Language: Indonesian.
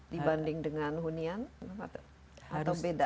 dibanding dengan hunian atau beda